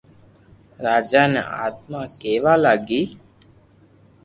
راجا ني آتما ڪيوا لاگي